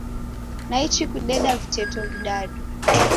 Naichi kudeda viteto vidadu.